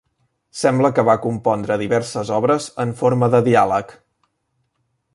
Sembla que va compondre diverses obres en forma de diàleg.